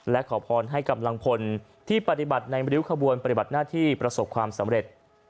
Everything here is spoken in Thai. และขอพรให้กำลังพลที่ปฏิบัติในริ้วขบวนปฏิบัติหน้าที่ประสบความสำเร็จ